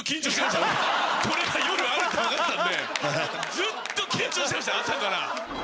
これが夜あるって分かってたんでずっと緊張してました朝から。